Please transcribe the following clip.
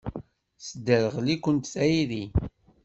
Tesderɣel-ikent tayri.